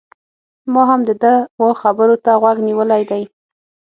ما هم د ده و خبرو ته غوږ نيولی دی